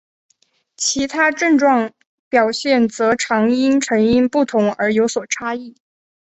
其他症状表现则常因成因不同而有所差异。